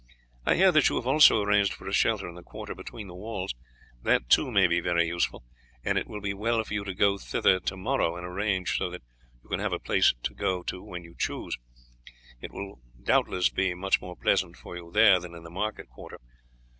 I hear that you have also arranged for a shelter in the quarter between the walls; that too may be very useful, and it will be well for you to go thither to morrow and arrange so that you can have a place to go to when you choose; it will doubtless be much more pleasant for you there than in the market quarter.